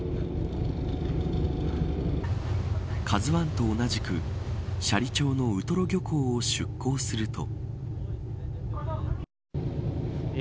ＫＡＺＵ１と同じく斜里町のウトロ漁港を出航すると。